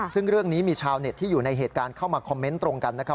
ซึ่งเรื่องนี้มีชาวเน็ตที่อยู่ในเหตุการณ์เข้ามาคอมเมนต์ตรงกันนะครับ